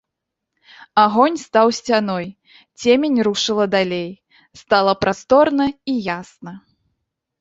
Агонь стаў сцяной, цемень рушыла далей, стала прасторна і ясна.